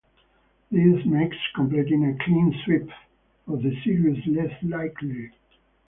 This makes completing a clean sweep of the series less likely.